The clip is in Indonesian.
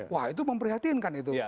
wah itu memprihatinkan itu